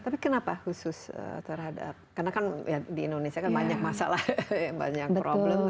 tapi kenapa khusus terhadap karena kan di indonesia kan banyak masalah banyak problem